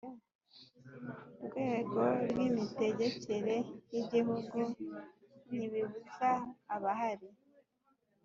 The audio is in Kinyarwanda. rwego rw imitegekere y Igihugu ntibibuza abahari